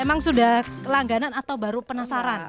memang sudah langganan atau baru penasaran